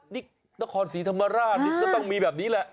นี่นครศรีธรรมราชนี่ก็ต้องมีแบบนี้แหละ